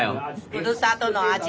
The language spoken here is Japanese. ふるさとの味